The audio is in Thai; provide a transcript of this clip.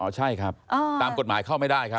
ใช่ครับตามกฎหมายเข้าไม่ได้ครับ